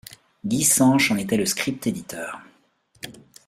Guy Sanche en était le script-éditeur.